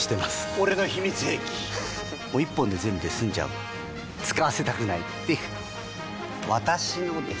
俺の秘密兵器１本で全部済んじゃう使わせたくないっていう私のです！